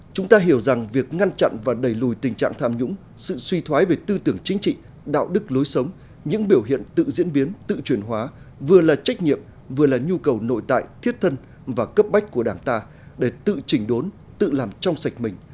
chúng ta hiểu rằng việc ngăn chặn và đẩy lùi tình trạng tham nhũng sự suy thoái về tư tưởng chính trị đạo đức lối sống những biểu hiện tự diễn biến tự chuyển hóa vừa là trách nhiệm vừa là nhu cầu nội tại thiết thân và cấp bách của đảng ta để tự chỉnh đốn tự làm trong sạch mình